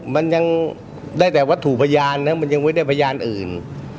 มันยังได้แต่วัตถุพยานนะมันยังไม่ได้พยานอื่น